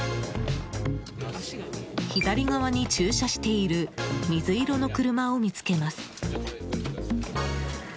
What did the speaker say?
左側に駐車している水色の車を見つけます。